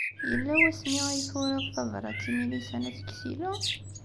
Yella wasmi ay turiḍ tabṛat i Milisa n At Ksila?